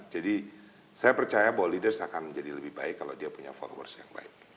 jadi saya percaya bahwa leaders akan menjadi lebih baik kalau dia punya followers yang baik